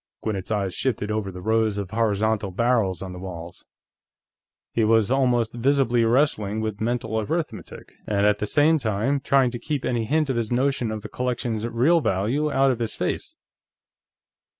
Gwinnett's eyes shifted over the rows of horizontal barrels on the walls. He was almost visibly wrestling with mental arithmetic, and at the same time trying to keep any hint of his notion of the collection's real value out of his face.